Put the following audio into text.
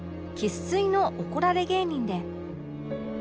生粋の怒られ芸人で